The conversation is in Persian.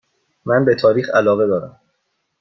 من به تاریخ علاقه دارم.